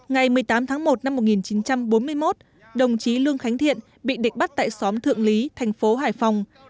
ngày một mươi tám tháng một năm một nghìn chín trăm bốn mươi một đồng chí lường khánh thiện bị địch bắt tại xóm thượng lý thành phố hải phòng